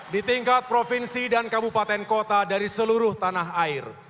di tingkat provinsi dan kabupaten kota dari seluruh tanah air